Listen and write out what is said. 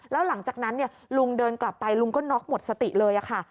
แล้วหลังจากนั้นลุงเดินกลับไปลุงก็น็อกหมดสติเลยค่ะ